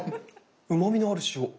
うまみのある塩。